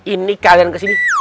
ini kalian kesini